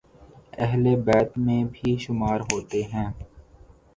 اہل بیت میں بھی شمار ہوتے ہیں